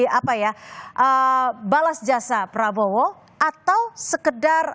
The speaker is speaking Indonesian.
jadi apa ya balas jasa prabowo atau sekedar